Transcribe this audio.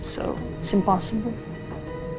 jadi itu tidak mungkin